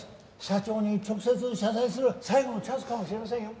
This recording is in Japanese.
社長に直接謝罪する最後のチャンスかもしれませんよ。